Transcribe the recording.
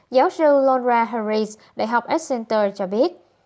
giáo sư laura harris đại học accenture cho biết